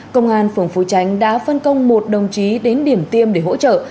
công an phường phú tránh đã phân công một đồng chí đến điểm tiêm để hỗ trợ